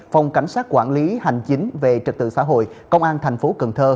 phòng cảnh sát quản lý hành chính về trật tự xã hội công an tp cn